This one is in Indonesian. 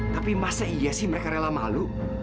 tapi masa iya sih mereka rela malu